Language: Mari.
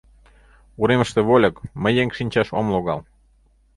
Уремыште вольык — мый еҥ шинчаш ом логал.